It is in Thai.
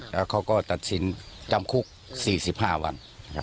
แล้วเขาก็ตัดสินจำคุก๔๕วัน